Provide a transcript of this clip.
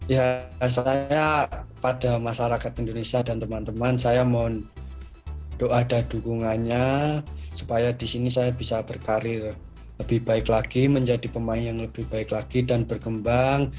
ya saya kepada masyarakat indonesia dan teman teman saya mohon doa dan dukungannya supaya di sini saya bisa berkarir lebih baik lagi menjadi pemain yang lebih baik lagi dan berkembang